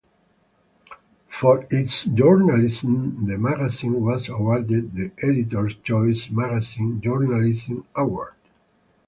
For its journalism the magazine was awarded the Editors' Choice Magazine Journalism Award.